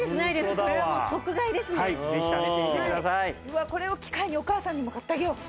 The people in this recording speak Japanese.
うわっこれを機会にお母さんにも買ってあげよう。